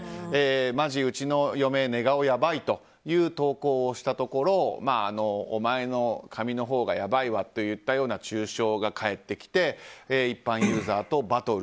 まじ、うちの嫁、寝顔やばいという投稿をしたところお前の髪のほうがやばいわといったような中傷が返ってきて一般ユーザーとバトル。